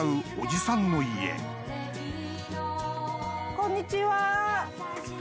こんにちは。